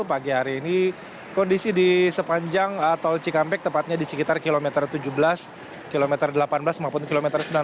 pagi hari ini kondisi di sepanjang tol cikampek tepatnya di sekitar kilometer tujuh belas kilometer delapan belas maupun kilometer sembilan belas